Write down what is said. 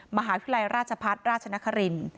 มหาวิทยาลัยราชพัฒน์ราชนครินทร์